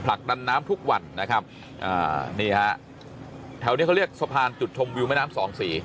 ผลักดันน้ำทุกวันนะครับอ่านี่ฮะแถวนี้เขาเรียกสะพานจุดชมวิวแม่น้ำสองสี